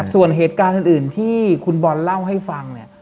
ส่วนเหตุการณ์อื่นที่คุณบอลเล่าให้ฟังเนี่ย